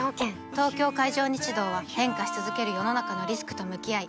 東京海上日動は変化し続ける世の中のリスクと向き合い